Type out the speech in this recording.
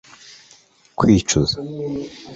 twicuza